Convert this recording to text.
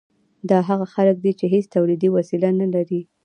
دا هغه خلک دي چې هیڅ تولیدي وسیله نلري.